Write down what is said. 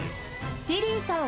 リリーさん